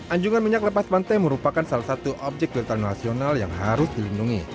anjungan minyak lepas pantai merupakan salah satu objek wisata nasional yang harus dilindungi